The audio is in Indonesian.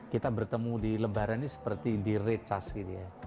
kita bertemu di lebaran ini seperti di re charge